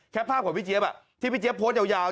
ภาพของพี่เจี๊ยบที่พี่เจี๊ยโพสต์ยาว